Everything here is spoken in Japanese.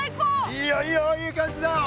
いいよいいよいい感じだよ。